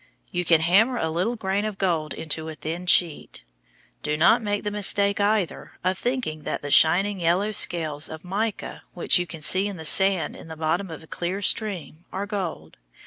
You can hammer a little grain of gold into a thin sheet. Do not make the mistake, either, of thinking that the shining yellow scales of mica which you see in the sand in the bottom of a clear stream are gold.